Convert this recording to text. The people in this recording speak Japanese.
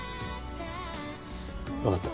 わかった。